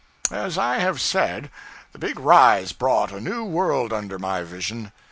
As I have said, the big rise brought a new world under my vision.